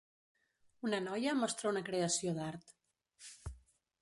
Una noia mostra una creació d'art.